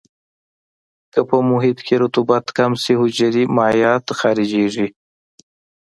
که په محیط کې رطوبت کم شي حجرې مایعات خارجيږي.